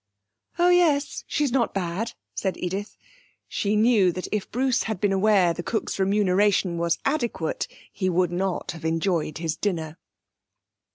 'Oh yes, she's not bad,' said Edith. She knew that if Bruce had been aware the cook's remuneration was adequate he would not have enjoyed his dinner.